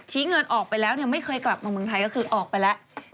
เงินออกไปแล้วไม่เคยกลับมาเมืองไทยก็คือออกไปแล้ว